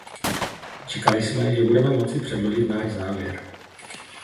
Čekali jsme, až budeme moci předložit náš závěr.